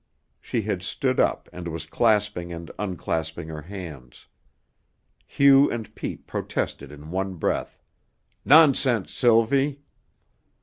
She had stood up and was clasping and unclasping her hands. Hugh and Pete protested in one breath: "Nonsense, Sylvie!"